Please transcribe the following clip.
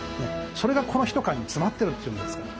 それがこの一缶に詰まってるっていうんですから。